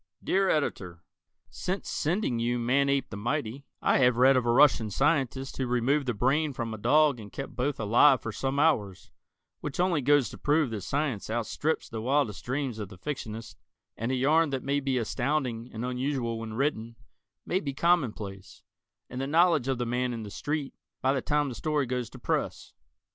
_ Dear Editor: Since sending you "Manape the Mighty," I have read of a Russian scientist who removed the brain from a dog and kept both alive for some hours, which only goes to prove that science outstrips the wildest dreams of the fictionist, and a yarn that may be astounding and unusual when written, may be commonplace, and the knowledge of the man in the street, by the time the story goes to press.